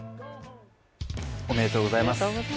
おめでとうございます。